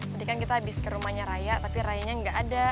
tadi kan kita habis ke rumahnya raya tapi rayanya nggak ada